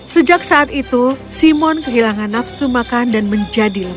sejak saat itu simon kehilangan nafsu makan dan menjadi lemak